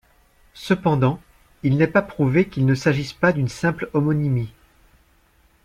Cependant, il n'est pas prouvé qu'il ne s'agisse pas d'une simple homonymie.